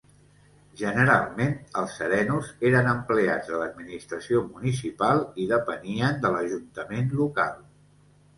Generalment els serenos eren empleats de l'administració municipal i depenien de l'ajuntament local.